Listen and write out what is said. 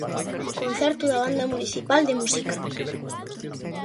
Concerto da banda municipal de música.